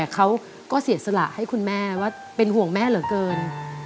เขาก็เสียสละให้คุณแม่ว่าเป็นห่วงแม่เหลือเกิน